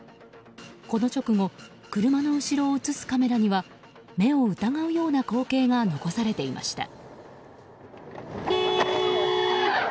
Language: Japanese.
この直後車の後ろを映すカメラには目を疑うような光景が残されていました。